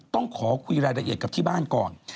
ต้องขอคุยรายละเอียดกับที่บ้านก่อน